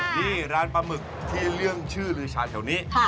นี่ร้านปลาหมึกที่เรื่องชื่อลือชาแถวนี้